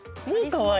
かわいい？